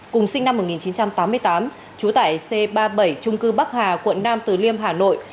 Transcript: cùng sinh năm một nghìn chín trăm tám mươi tám trú tại c ba mươi bảy trung cư bắc hà quận nam từ liêm hà nội